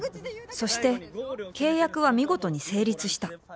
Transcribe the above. そして契約は見事に成立した。